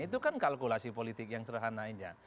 itu kan kalkulasi politik yang sederhana aja